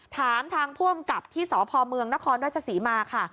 ถามทางผู้กำกับที่สพมนรศมาค่ะ